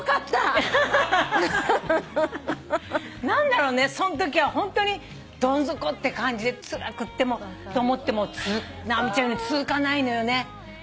何だろうねそんときはホントにどん底って感じでつらくってもうと思っても直美ちゃんの言うように続かないのよね。